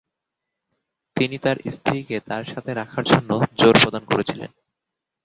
তিনি তার স্ত্রীকে তার সাথে রাখার জন্য জোর প্রদান করেছিলেন।